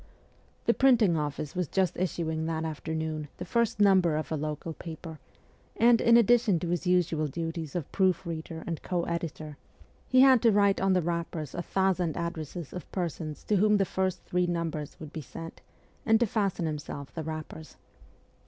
The printing office was just issuing that afternoon the first number of a local paper, and in addition to his usual duties of proof reader and co editor, he had to write on the wrappers a F 2 68 MEMOIRS OF A REVOLUTIONIST thousand addresses of persons to whom the first three numbers would be sent, and to fasten himself the wrappers.